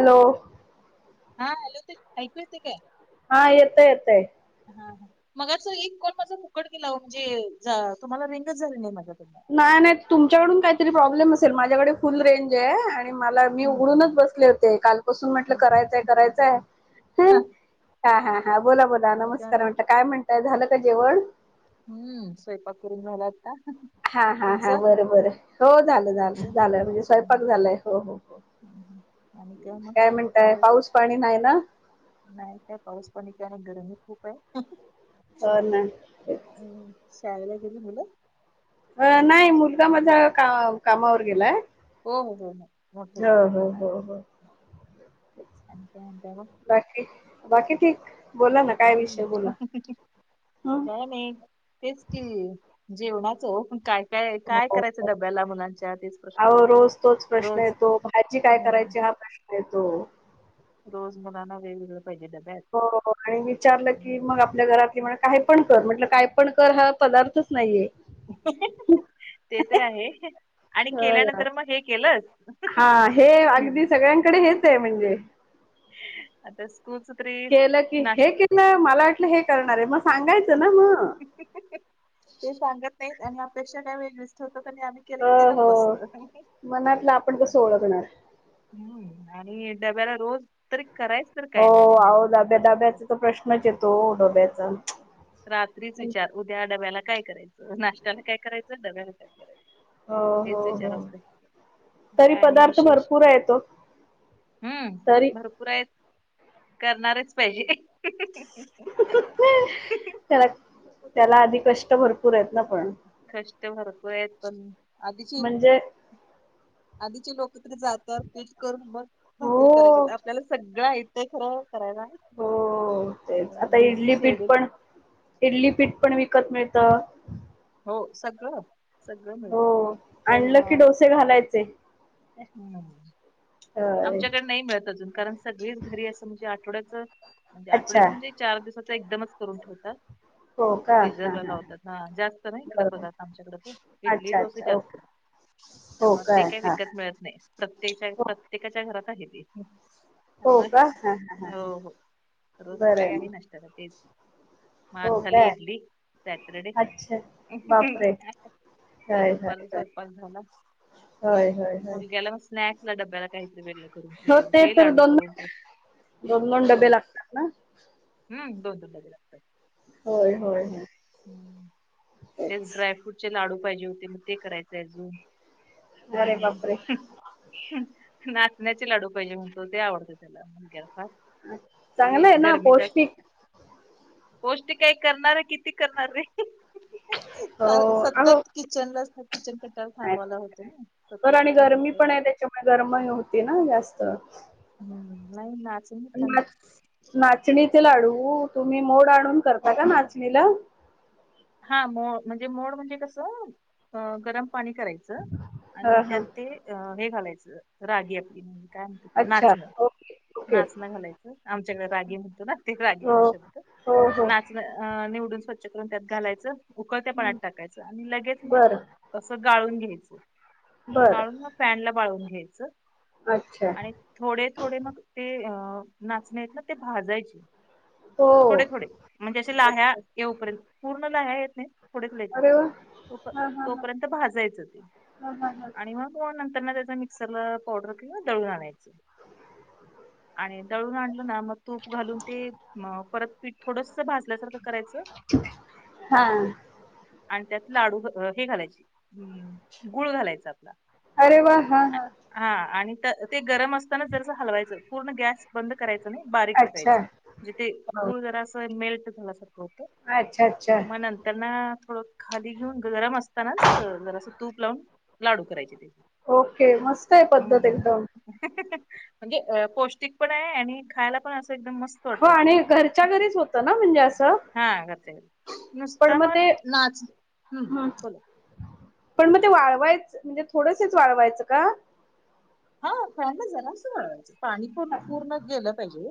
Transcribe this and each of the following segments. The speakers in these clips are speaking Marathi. हॅलो! हा हॅलो ते ऐकू य ते काय? हा. येतंय येतंय. हा हा. मगाचं एक कॉल माझा फुकट गेला ओ, मणजे तुम्हाला रिंगच झाली नाई माझा तुमला. नाय नाय तुमच्याकडून काईतरी प्रॉब्लेम असेल. माझ्याकडे फुल रेंजय आ मला मी हम्म उघडूनच हम्म बसले होते. कालपासून म्हटलं हम्म. करायचयं हा कराययं हा हा हा. बोला बोला. आणि काय नमस्कार मग म्हटल काय म्हणताय? झालं का जेवण? हम्म. स्वयंपाक करून झाला आत्ता. हा हा हा. बरं बरं. हो झालं झालं तुमचं झालं. म्हणजे हम्म, स्वयपाक झालंय. हो हो हो. आणि केव्हा? म्हणताय काय पाऊस पाणी नाही ना? नाही. काय पाऊस पाणी काय नाय. गरमी खूप ए. हो ना. हम्म. शाळेला गेली मुलं? अ- नाही. मुलगा माझा का-कामावर गेलाय. हो हो हो हो. मोठे हो आणि हो हो हो काय म्हणताय म बाकी? बाकी ठीक. बोला ना काय विषय ह बोला हं कायं नाई. तेच कि. जेवणाचं, पण काय? काय-काय हो करायचं डब्याला मुलांच्या तेच प्रश्न अहो पडतोय रोज तोच प्रश्न रोज. हम्म. तेेतो रोज मुलाना वेगवेगळ पाहिजे. डब्यात हो हो हो. आणि विचारलं हम्म. की मग आपल्या घरात किंवा काय पण कर म्हटलं काय पण कर हा पदार्थच नाहीये. ते तर आहे आणि होय होय. केल्यानंतर मग हे केलंस हा हे अगदी सगळ गळ्यांकडे हेच इ म्हणजे आता स्कूलस तरी नाश नाई मला वाटलं हे करणार ए. म सांगायचं ना म ते सांगत नाहीत आणि अपेक्षा काय वेगळीच ठेवतात आणि आम्ही केलं हो की ते हो नको असतं मनातलं आपण कसं ओळखणार? हम्म आणि डब्याला रोज तरी कराय हो आहो डब्या-डब्याचा तर प्रश्नच येतो डब्याचा. रात्रीच विचार उद्या डब्याला काय करायचं? नाशत्याला काय करायचं? डब्याला काय करायचं? हो तेच हो हो विचार असते. तरी काय आणि पदार्थ विशेष? भरपूर आहे तो हम्म. तरी भरपूर आएत. करणारेच पाहिजे. ओके. त्याला-त्याला आधी कष्ट भरपूर एत ना पण. कष्ट भरपूर आएत पण म्हणजे आधीची-आधीची लोक तरी जात तर तेच करून मग हो भाकरी करायची आपल्याला सगळं आयत खरं करायला हो.. तेच. आता बिझी इडली पीठ शेड्यूल पण इडली पीठ पण विकत मिळतं. हो सगळं. सगळं मिळतं हो.. पण आणलं की डोसे घालायचे. हो ना. होय आमच्याकडे नाई मिळत अजून कारण सगळीच घरी असं म्हणजे आठवड्याच म्हणजे अच्छा आठवड्याचं म्हणजे चार दिवसाचं एकदमच करून ठेवतात. हो का पिझ्झा हा बनवतात हा जास्त नाय पदार्थ बरोबर इकडे आमच्याकडे तर इडली, अच्छा डोसे अच्छा जास्त ओके हो त्यामुळे ते काय काही हा विकत मिळत नाही प्रत्येच्या हो प्रत्येकाच्या घरात आहे ते. त्या हो व का हा हा हा हो हो रोजच बरं काही आहे मग नसणार नाश्त्याला तेच. म आज हो झाली काय इडली सॅटरडे. अच्छा बापरे आता होय होय दुपारचा होय स्वयंपाक झाला होय होय होय मुलग्याला म स्नॅक् पुन्हा डब्याला काही तरी वेगळं करून हो ठेव ते हे तर लाडू दोन करून ते दोन दोन डबे बरं. लागतात ना हम्म दोन डब्या देय लागतात. होय होय आणि होय. हम्म तेच ड्रायफ्रूटचे लाडू पाहिजे होते मग ते करायचं अजून. अरे बापरे हम्म. नाचण्याचे लाडू पहिजे म्हणतो ते आवडत त्याला मुलग्याला फार. ये चांगलं आहे ना गर्मी जास् पौष्टिक पौष्टिक आहे करणार किती करणार रे. हो अहो सतत किचनला किचन कट्याला थांबवला होतो ना. बरं सतत आणि काही ना गरमी काही पण आहे त्याच्यामुळे गरमही होती ना जास्त. हम्म नाही ना आज नाच नाचणीचे लाडू तुम्ही मोड आणून करता का नाचणीला? हा मो म्हणजे मोड म्हणजे कसं गरम पाणी अ कराय चं आणि हा हा त्यात ते हे घालायचं रागी आपली म्हणजे काय म्हणतात त्याला अच्छा नाचणं ओके ओके नाचणं घालायचं आमच्याकडे रागी म्हणतो ना ते हो रागीला शब्द हो हो नाच अ निवडून स्वच्छ करून त्यात घालायचं उकळत्या हं. पाणायात टाकायचं आणि लगेच मग बरं कसं गाळून घ्यायचं गाळून बरं मग फॅनला वाळवुन घ्यायचं. अच्छा! आणि थोडे थोडे मग ते अ नाचणे आहेत ना ते भाजायचे हो थोडे-थोडे म्हणजे अशे लाह्या अच्छा येऊपर्यंत पूर्ण लाह्या येत नाही थोडे-थोडे येते अरे वा तो हा हा हा तोपर्यंत भाजायच ते हा हा आण हा [unintelligible] नंतरना त्याचा मिक्सरला पावडर किंवा दळून आणायचं. आणि दळून आणलं ना मग तूप घालून ते म परत पीठ थोडसा भाजल्यासारखं करायचं हा. आणि त्यात लाडू हे घालायची गुळ घालायचा आपला. अरे वा हा आ- हा. हा आणि त ते गरम असतानाच जरास हलवायचं पूर्ण गॅस बंद करायचं नाही बारीक अच्छा ठेवायचं म्हणजे ते हो गुळ जरा असं मेल्ट झाल्यासारखं होतं. अच्छा अच्छा म नंतर ना थोडं खाली घेऊन गरम अस तानच जरासा तूप लावून लाडू करायचे. ओके मस्त आहे पद्धत हम्म एकदम. म्हणजे पौष्टिक पण आहे आणि खायला पण असं एकदम मस्त हो वाटतं ते आणि घरच्या घरीच होतं ना म्हणजे असं हा घरचं आहे पण नुस्ता मग मन ते नाच हम्म बोला. पण मग ते वाळवायचं म्हणजे थोडसच वाळवायचं का? हा फांड जरासा वळवायचा पाणी पूर हां. पूर्ण गेलं पाहिजे.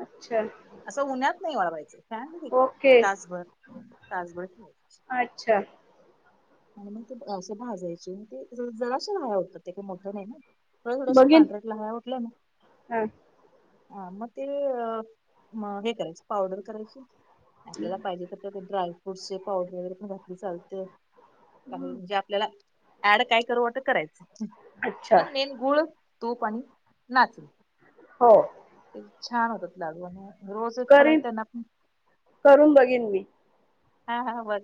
अच्छा असं उन्हात नाही वाळावायचं फॅनली ओके तासभर तासभर ठेवायचे. अच्छा! आणि मग ते असे भाजायचे ते जराशा लाह्या होतात ते काही मोठं नाही ना. थोड थोडशे बघीन पांढरट लाह्या उठलं हा ना आं मग ते अ म हे करायच पावडर करायची. आपल्याला पाहिजे तर त्यात ड्रायफ्रूटचे पावडर वगैरे पण घातली चालते. काही जे आपल्याला ऍड काय करू वाटं करायचं अच्छा पण मेन गुळ, तूप आणि नाचणी होय ते छान होतात लाडू आणि रोज खाल करीन त्यांना प करून बघीन मी हा-हा बघ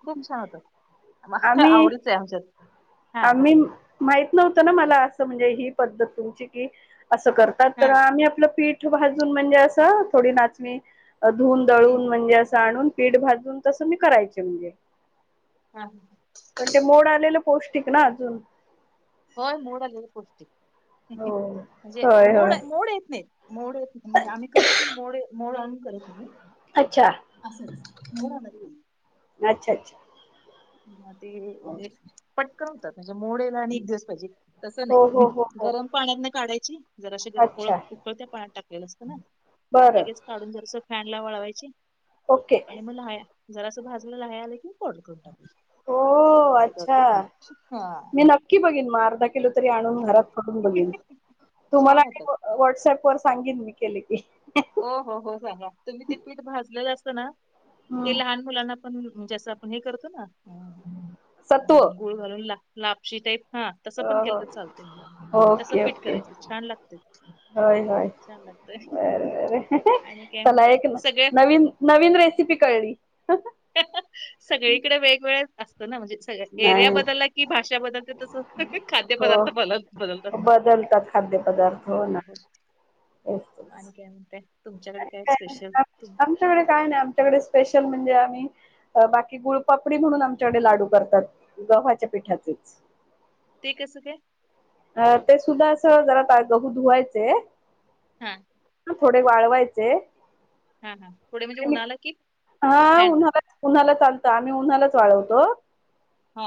खूप छान होतात म तर आम्ही आवडीच आहे आमच्यात हा बोला आम्ही माहित नव्हतं ना मला असं म्हणजे ही पद्धत तुमची कि असं करत हा तर आम्ही आपलं पीठ भाजून म्हणजे असं थोडी नाचणी धुून दळून हम्म म्हणजे असं आणून पीठ भाजून तसं मी करायचे म्हणजे हा-हा पण ते मोड आलेलं पौष्टिक ना अजून होय मोडले पुष्टी हो म्हणजे होय मोड होय मोड येत नाहीत मोड म्हणजे आम्ही करतो की मोडे मोड आणून करत नाही अच्छा असंच नऊला आलात की अच्छा अच्छा म ते म्हणजे पटकन होतात म्हणजे मोडेला आणि एक दिवस पाहिजे तसं हो नाही हो हो हो गरम पाण्यातन काढायची जर अे जर ओळ अच्छा उकळत्या पाण्यात टाकलेलं असतं ना बरं लगेच काढून जरास फॅन ला वळवायचे ओके आणि मग लाह्या जरा असं भाजून लाह्या आलं कि फोल्ड करून टाकलं हो असं अच्छा करतेय. मी नक्की बघेन मग अर्धा किलो तरी आणून घरात फडून बघेन तुम्हाला छान होतात व्हॉट्सअप वर सांगेन मी केले की हो-हो-हो सांगा तुम्ही ते पीठ भाजलेलं असं ना ते हम्म लहान मुलांना पण जेसे असं आपण हे करतो ना सत्व गुळ घालून ला-लापशी टाईप हा तसं पण केलं अ तर चालतय मुला तस ओके पिट ओके करायचं छान लागते होय होय बर बर आणि काय चला म्हणताय एक सगळे नवीन नवीन रेसिपी कळली. सगळीकडे वेगवेगळ असत ना म्हणजे सग एरिया नाही बदलला की भाषा बदलते तस खाद्य पदार्थ बद बदलत. खाद्य पदार्थ होणार आणि काय म्हणतय तुमच्याकडे काय नाही स्पेशल तु आमच्याकडे काय नाही आमच्याकडे स्पेशल म्हणजे आम्ही बाकी गुळपापडी म्हणून आमच्याकडे लाडू करतात गव्हाच्या पिठाचेच. ते कसं काय अ ते सुद्धा असं जरा गहू धुवायचे. हा थोडे वाळवायचे हा हा थोडे म्हणजे मिक्स उन्हाला कि हा फॅनला उन्हाला उन्हाला चालत आम्ही उन्हालाच वाळवतो हा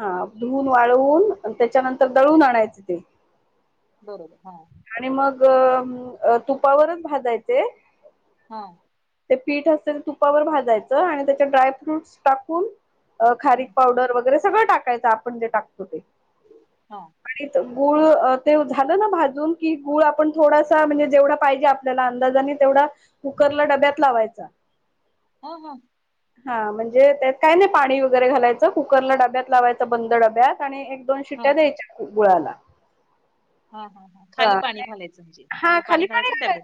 हा धुवून वाळवून त्याच्यानंतर दळून आणायचे ते. बरोबर हा. आणि मग तुपावरच भाजायचे हा ते पीठ असते ते तुपावर भाजायचं आणि त्याच्या ड्राय फ्रूटस टाकून अ हां, खारीक पावडर वगैरे सगळं टाकायचं आपण जे टाकतो ते हा आणि गूळ ते झालं ना भाजी की गुळ आपण थोडासा म्हणजे जेवढा पाहिजे आपल्याला अंदाजाने तेवढा कुकरला डब्यात लावायचा हा हा हा म्हणजे त्यात काय नाही पाणी वगैरे घालायचं कुकरला डब्यात लावायचं बंद डब्यात आणि एक दोन शिट्ट्या हां, द्यायच्या गु - गुळाला हा हा. खाली पाणी खालायचं म्हणजे हा खाली पाणी घालायचं डबॅत.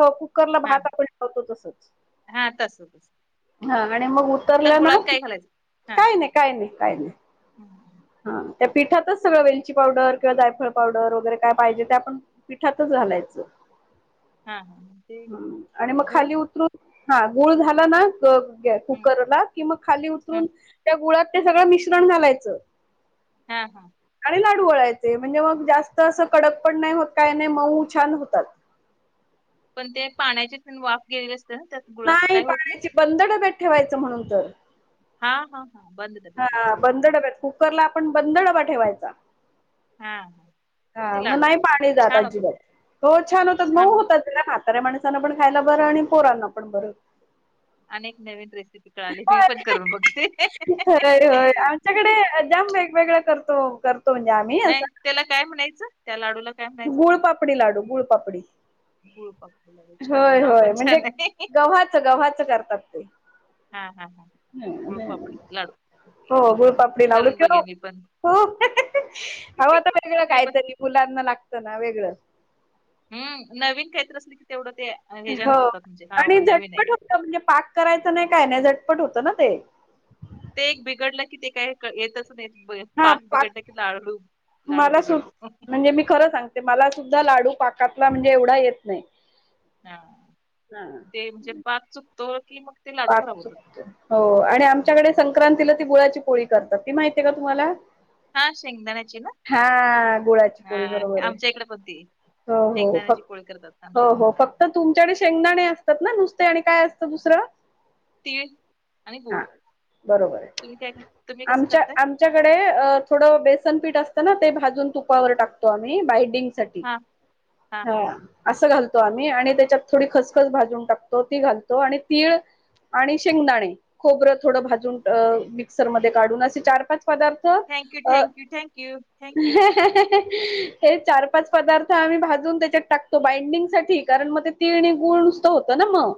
हो कुकरला हा. भात आपण लावतो तसच हा तस तस हा आणि मग उतरल ना काय-नाही हां, काय नाही-काय नाही-काय नाही हं. हा. त्या पीठातच सगळं वेलची पावडर किंवा जायफळ पावडर, वगैरे काय पाहिजे ते आपण पिठातच घालायचं. हां, हां. मग ते हम्म आणि मग गूळ खाली उतरून हा गुळ झाला ना ग गॅ हं, कुकरला कि मग खाली उतरून हं. त्या गुळात ते सगळं मिश्रण घालायचं. हा हा. आणि लाडू वळायचे म्हणजे मग जास्त असं कडक पण नाही होत काय नाही मऊ छान होतात. पण ते पाण्याची प वाफ गेली असत्या ना? त्यात गुळात नाही काही होत नाही? पाण्याची, बंद डब्यात ठेवायचं म्हणून तर हा-हा-हा. बंद डब्यात हा ठेवायचं. ओके. बंद डब्यात, कुकरला आपण बंद डबा ठेवायचा. हा हा. हा मग नाही पाणी जात अजिबात. हो छान होतात, मऊ होतात. म्हाताऱ्या माणसाांना पण खायला बरं आणि पोरांना पण बरं. आणी एक नवीन रेसिपी कळाली मी पण करून बघते. होय होय होय. आमच्याकडे जाम वेगवेगळ्या करतो-करतो म्हणजे आमी. असं नाही त्याला काय म्हणायचं? त्या लाडूला काय म्हणायचं गुळ पापडी लाडू, गुळ पापडी गुळपापडी छान आहे. नाव पण छान आहे. च गव्हाच करतात ते हा हा हा. गुळपापडी लाडू [unintelligible] ओके हो गुळपापडी लाडू करून [unintelligible] बघेन मी पण आओ आता वेगळं मी पण काहीतरी मुलांना लागतं ना वेगळं हम्म. नवीन काहीतरी असल की तेवढं ते ह्याच्यान हो खातात आगदी का बाबा आणि नवीन आहे. झटपट म्हणजे पाक करायचं नाही काय नाही झटपट होतं ना ते ते एक बिघडलं की ते काय येक येतच बी आ पाक बिगडला की लाडूू-लाडू बिघडत मंजे मी खरं सांग ते मला सुद्धा लाडू पाकातला म्हणजे एवढा येत नाही. हा. हा ते म्हणजे पाक चुकतो कि मग ते लाडू पाक खराब होतात चुकतो हो आणि हम्म. आमच्याकडे संक्रांतीला ती गुळाची पोळी करतात. ती माहिती आहे का तुम्हाला? हा शेंगदाण्याची ना हा. गुळाची हा पोळी बरोबर ये. आमच्या इकडे पण ती हो-हो शेंगदाण्याची फक्, पोळी करतात आमच्या इकडे हो-हो पण फक क्त तुमच्याकडे शेंगदाणे असतात ना नुसते? आणि काय असतं दुसरं? तीळ आणि हा गुड. तुम्ही काय तुम्ही कसं करताय? च्या कडे थोड बेसन पीठ असत ना ते भाजुन तुपावर टकतो. आम्ही बायडिंग सा साठी हां, हां, हां, हा. हां. असं घालतो आम्ही आणि त्याच्यात थोडी खसखस भाजून टाकतो ती घालतो आणि तीळ आणि शेंगदाणे, खोबरं थोडं भाजून मिक्सरमध्ये काढून असे चार, पाच पदार्थ अ थँक्यू-थँक्यू-थँक्यू-थँक्यू. [unintelligible] [inaudible] हे चार, पाच पदार्थ आम्ही भाजून त्याच्यात टाकतो बाइंडिंग साठी कारण मग ते तीळ आणि गूळ नुसतं होतं ना मग